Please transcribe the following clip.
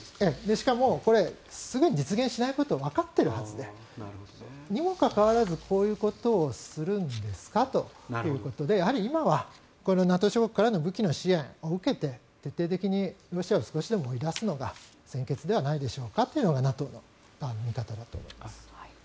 しかもこれすぐに実現しないことはわかっているはずでにもかかわらず、こういうことをするんですか？ということで今はＮＡＴＯ諸国からの武器の支援を受けて徹底的にロシアを少しでも追い出すのが先決ではないでしょうかというのがＮＡＴＯ側の見立てだと思います。